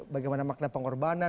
bagaimana makna pengorbanan